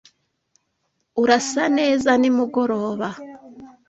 Urasa neza nimugoroba.